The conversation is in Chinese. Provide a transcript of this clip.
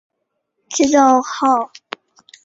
知制诰。